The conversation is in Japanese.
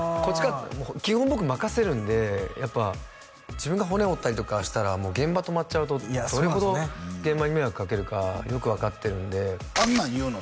あ基本僕任せるんでやっぱ自分が骨折ったりとかしたらもう現場止まっちゃうとどれほど現場に迷惑かけるかよく分かってるんであんなん言うの？